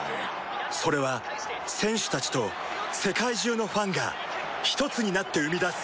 それは選手たちと世界中のファンがひとつになって生み出す